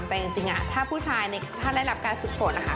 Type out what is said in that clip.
แต่จริงถ้าผู้ชายถ้าได้รับการทุกโฆษณ์